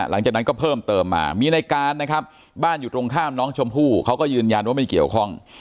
หลังจากนั้นก็เพิ่มเติมมามีในการนะครับบ้านอยู่ตรงข้ามน้องชมพู่เขาก็ยืนยันว่าไม่เกี่ยวข้อง